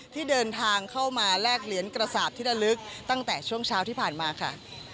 ที่เดินทางเข้ามาแลกเหรียญกระสาปที่ระลึกตั้งแต่ช่วงเช้าที่ผ่านมาค่ะ